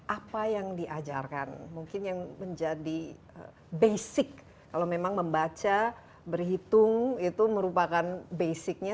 apa yang diajarkan mungkin yang menjadi basic kalau memang membaca berhitung itu merupakan basicnya